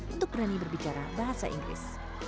untuk berani berbicara bahasa inggris